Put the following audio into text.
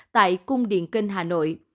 tại cung điện kinh hà nội